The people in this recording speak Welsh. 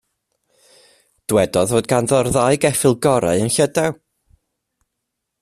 Dywedodd fod ganddo'r ddau geffyl gorau yn Llydaw.